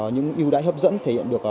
những yêu đáy hấp dẫn thể hiện được